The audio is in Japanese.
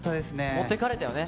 持ってかれたよね。